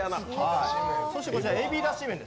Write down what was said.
そしてこちら、蛯ｅｂｉだし麺。